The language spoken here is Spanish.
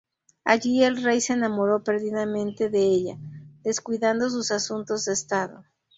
Allí el rey se enamoró perdidamente de ella, descuidando sus asuntos de Estado.